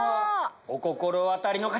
お心当たりの方！